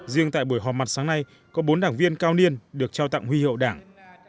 riêng tại buổi họp mặt sáng nay có bốn đảng viên cao niên được trao tặng huy hậu đảng